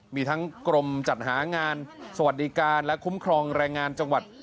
มีทั้งกรมจัดหางานสวัสดิการและคุ้มครองแรงงานจังหวัด